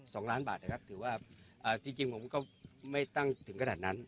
สองล้านบาทนะครับถือว่าอ่าจริงจริงผมก็ไม่ตั้งถึงขนาดนั้น